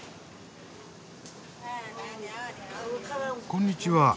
こんにちは。